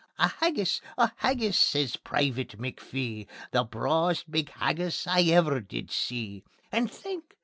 "A haggis! A HAGGIS!" says Private McPhee; "The brawest big haggis I ever did see. And think!